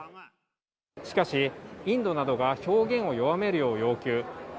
しかし、インドなどが表現を弱めるよう要求。